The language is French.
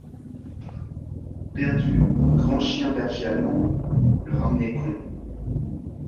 Perdu grand chien berger allemand, le ramener con.